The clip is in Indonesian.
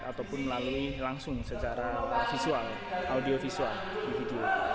ataupun melalui langsung secara visual audiovisual